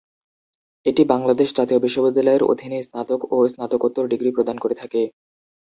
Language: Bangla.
এটি বাংলাদেশ জাতীয় বিশ্ববিদ্যালয়ের অধীনে স্নাতক ও স্নাতকোত্তর ডিগ্রি প্রদান করে থাকে।